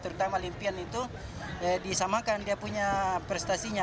terutama limpian itu disamakan dia punya prestasinya